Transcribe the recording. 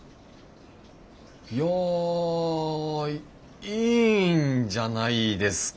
いやいいんじゃないですかね！